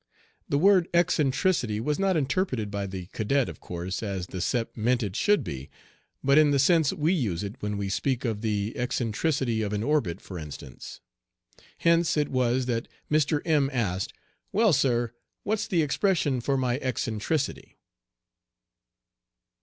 The word eccentricity was not interpreted by the cadet, of course, as the Sep meant it should be, but in the sense we use it when we speak of the eccentricity of an orbit for instance. Hence it was that Mr. M asked, "Well, sir, what's the expression for my eccentricity?"